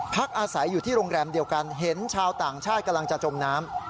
พักอาศัยอยู่ที่โรงแรมเดียวกันเห็นชาวต่างชาติกำลังจะจมน้ำ